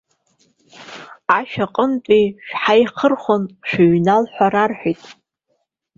Ашә аҟынтә шәҳаихырхәаны шәыҩнала ҳәа раҳҳәеит.